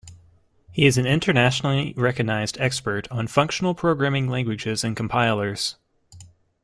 He is an internationally recognized expert on functional programming languages and compilers.